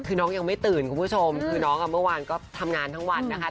คือน้องยังไม่ตื่นคุณผู้ชมคือน้องอ่ะเมื่อวานก็ทำงานทั้งวันนะคะ